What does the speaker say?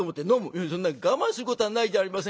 「いやそんな我慢することはないじゃありませんか。